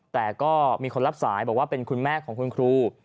แต่ก็มีคนรับสายบอกว่าเป็นคุณแม่ของคุณครู